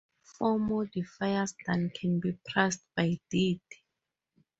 Four modifiers than can be priced by deed.